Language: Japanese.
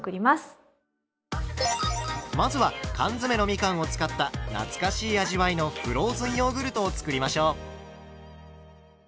まずは缶詰のみかんを使った懐かしい味わいのフローズンヨーグルトを作りましょう。